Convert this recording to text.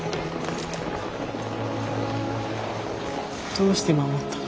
どうして守ったの？